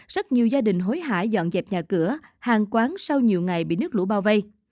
rất nhiều gia đình hối hả dọn dẹp nhà cửa hàng quán sau nhiều ngày bị nước lũ bao vây